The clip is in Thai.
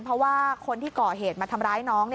เพราะว่าคนที่ก่อเหตุมาทำร้ายน้อง